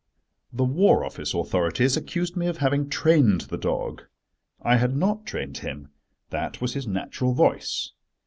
The War Office authorities accused me of having trained the dog. I had not trained him: that was his natural voice.